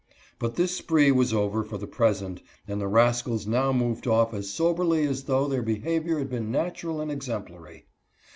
But their spree was over for the present, and the rascals now moved off as soberly as though their behavior had been natural and exemplary.